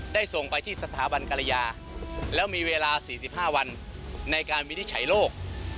ได้ส่งไปที่สถาบันกรยาแล้วมีเวลาสี่สิบห้าวันในการวิทย์ใช้โลก